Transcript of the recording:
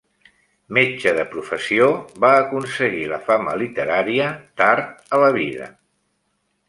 Metge de professió, va aconseguir la fama literària tard a la vida.